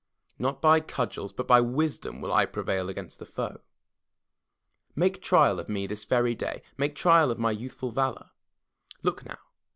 Not by cudgels but by wisdom will I prevail against the foe. Make trial of me this very day; make trial of my youthful valor. Look now!